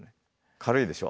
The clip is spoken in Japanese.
軽いでしょ？